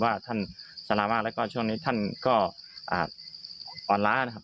ว่าท่านสารมากแล้วก็ช่วงนี้ท่านก็อ่อนล้านะครับ